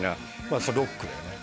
それロックだよね